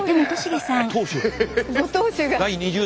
ご当主が。